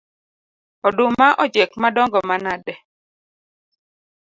Oduma ochiek madongo manade